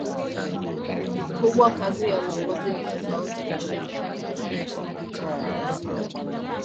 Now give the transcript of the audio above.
kubwa kazi ya uongozi ni tofauti Haiwezekani kufanya kila kitu pamoja